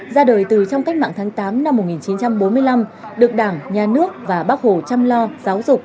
ra đời từ trong cách mạng tháng tám năm một nghìn chín trăm bốn mươi năm được đảng nhà nước và bác hồ chăm lo giáo dục